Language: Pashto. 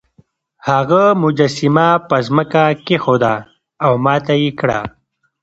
هغه مجسمه په ځمکه کیښوده او ماته یې کړه.